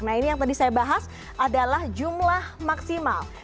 nah ini yang tadi saya bahas adalah jumlah maksimal